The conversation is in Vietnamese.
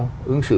sống cạnh nhau